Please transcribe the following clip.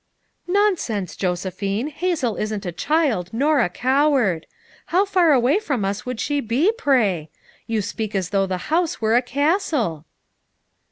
"Nonsense, Josephine. Hazel isn't a child, nor a coward. How far away from us would she be, pray? You speak as though the house •were a castle."